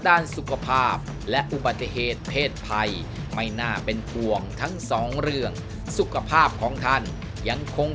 ด้านสุขภาพและอุบัติเหตุเพศภัยไม่น่าเป็นห่วงทั้งสองเรื่องสุขภาพของท่านยังคง